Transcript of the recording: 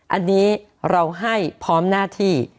อันนี้เราให้พร้อมหน้าที่